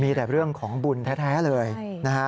มีแต่เรื่องของบุญแท้เลยนะฮะ